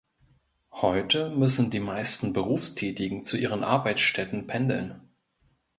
Heute müssen die meisten Berufstätigen zu ihren Arbeitsstätten pendeln.